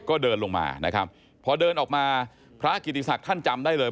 ก็เดินลงมานะครับพอเดินออกมาพระกิติศักดิ์ท่านจำได้เลย